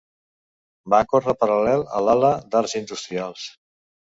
Va córrer paral·lel a l'ala d'arts industrials.